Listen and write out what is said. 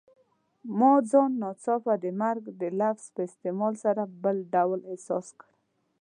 ما ځان ناڅاپه د مرګ د لفظ په استعمال سره بل ډول احساس کړ.